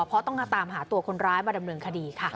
เพราะต้องตามหาตัวคนร้ายมาดำเนินคดีค่ะ